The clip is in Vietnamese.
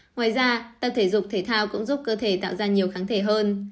ngoài ra tập thể dục thể thao cũng giúp cơ thể tạo ra nhiều kháng thể hơn